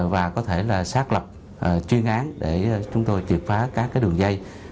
và có thể là xác lập chuyên án để chúng tôi triệt phá các đường dây